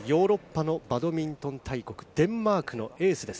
ヨーロッパのバドミントン大国デンマークのエースです。